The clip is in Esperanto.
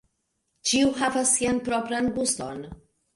Ĉiu havas sian propran guston.